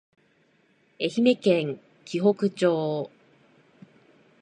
愛媛県鬼北町